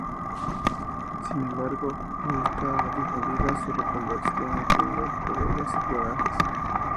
Sin embargo, hoy está difundida su reconversión en tiendas, bodegas, garajes...